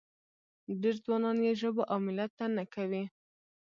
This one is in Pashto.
ډېر ځوانان یې ژبو او ملت ته نه کوي.